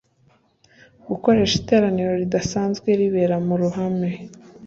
gukoresha iteraniro ridasanzwe ribera mu ruhame